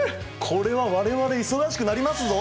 これは我々忙しくなりますぞ！